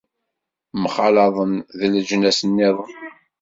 Mxalaḍen d leǧnas-nniḍen.